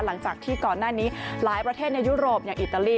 หลังจากที่ก่อนหน้านี้หลายประเทศในยุโรปอย่างอิตาลี